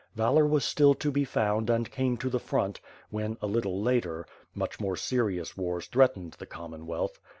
Valor was still to be found and came to the front, when a little later, much more serious wars threatened the Commonwealth.